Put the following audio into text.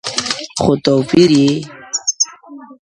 خو توپیر یې -